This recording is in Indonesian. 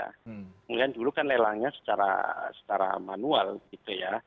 kemudian dulu kan lelangnya secara manual gitu ya